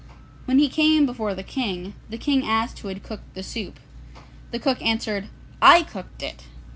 When he came before the King, the King asked who had cooked the soup. The cook answered, 'I cooked it.